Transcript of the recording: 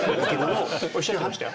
おっしゃってましたよ。